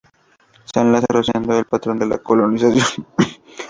San Lázaro siendo el patrón de la colonización.